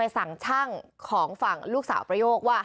๑๗สิงหาคม